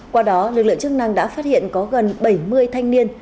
qua đó lực lượng chức năng đã phát hiện có gần bảy mươi thanh niên